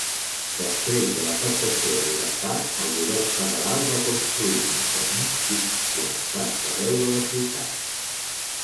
Després de l'afectació de l'huracà, el govern federal va construir i mantenir dics col·lapsats arreu de la ciutat.